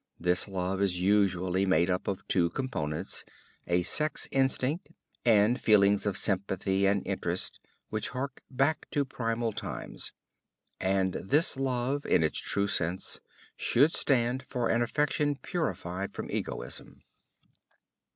This love is usually made up of two components: a sex instinct, and feelings of sympathy and interest which hark back to primal times. And this love, in its true sense, should stand for an affection purified from egoism.